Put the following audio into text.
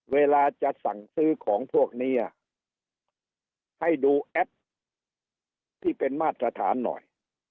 เวลาจะสั่งซื้อของพวกนี้ให้ดูแอปที่เป็นมาตรฐานหน่อย